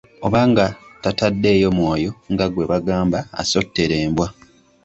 Oba nga tataddeyo mwoyo nga gwe bagamba asottera embwa!